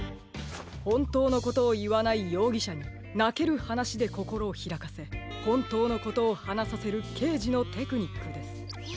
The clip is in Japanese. ほんとうのことをいわないようぎしゃになけるはなしでこころをひらかせほんとうのことをはなさせるけいじのテクニックです。へ！